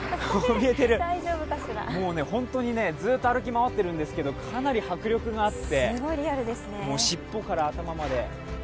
本当にずっと歩き回っているんですけど、かなり迫力があって尻尾から頭まで。